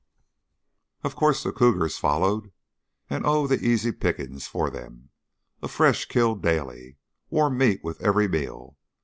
Of course, the cougars followed, and, oh, the easy pickings for them! A fresh kill daily. Warm meat with every meal.